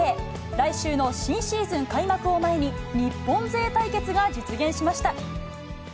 来週の新シーズン開幕を前に、日本勢対決が実現しました。